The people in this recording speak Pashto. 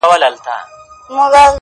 هغه د هر مسجد و څنگ ته ميکدې جوړي کړې’